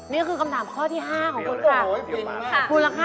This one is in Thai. นี่คือคำถามข้อที่๕ของคุณค่ะ